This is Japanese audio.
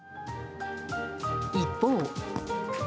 一方。